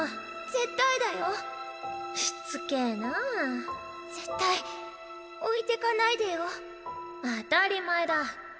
絶しつけぇなぁ絶対置いてかないでよ当たり前だ。